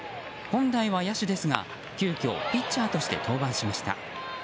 本来は野手ですが急きょピッチャーとして登板しました。